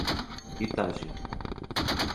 Itagi